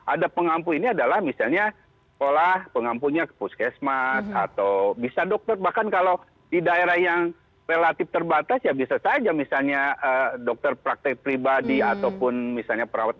ada pengampu ini adalah misalnya sekolah pengampunya puskesmas atau bisa dokter bahkan kalau di daerah yang relatif terbatas ya bisa saja misalnya dokter praktek pribadi ataupun misalnya perawat